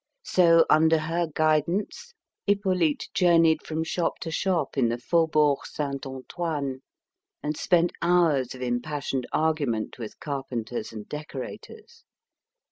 So, under her guidance, Hippolyte journeyed from shop to shop in the faubourg St. Antoine, and spent hours of impassioned argument with carpenters and decorators.